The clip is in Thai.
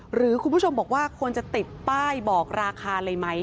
หรือคุณผู้ชมบอกว่าควรจะติดป้ายบอกราคาเลยไหม